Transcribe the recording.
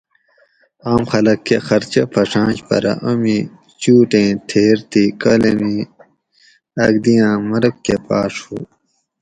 آم خلق کہۤ خرچہ پھڛاںش پرہ امی چُوٹ ایں تھیر تھی کاۤلمی آگ دی آں مرگ کہۤ پاۤڛ ہُو